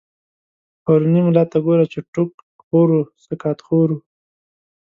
پرو ني ملا ته ګوره، چی ټو ک خور و سقا ط خورو